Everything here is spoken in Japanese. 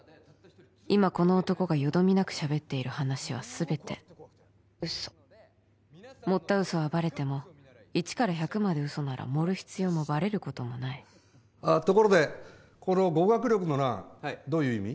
今この男がよどみなくしゃべっている話は全て嘘盛った嘘はバレても一から百まで嘘なら盛る必要もバレることもないところでこの語学力の欄どういう意味？